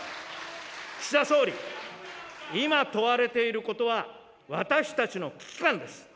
岸田総理、今問われていることは、私たちの危機感です。